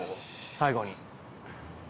最後に。